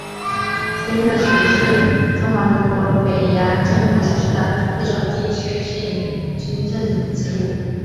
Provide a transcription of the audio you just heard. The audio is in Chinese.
经略使是中华民国北洋政府时期的一种地区性军政职务。